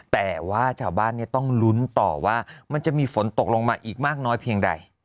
แต่ว่าชาวบ้านต้องลุ้นต่อว่ามันจะมีฝนตกลงมาอีกมากน้อยเพียงใด